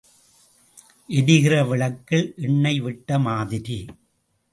எரிகிற விளக்கில் எண்ணெய் விட்ட மாதிரி.